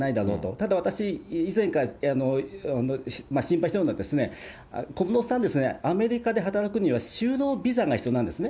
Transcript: ただ私、以前から心配しているのはですね、小室さんですね、アメリカで働くには就労ビザが必要なんですね。